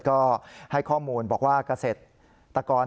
ก็ให้ข้อมูลบอกว่าเกษตรกร